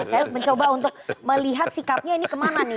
saya mencoba untuk melihat sikapnya ini kemana nih